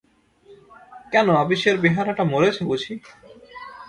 কেন, আপিসের বেহারাটা মরেছে বুঝি?